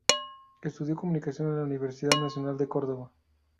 Estudió Comunicación en la Universidad Nacional de Córdoba.